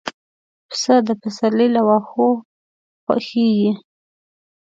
پسه د پسرلي له واښو خوښيږي.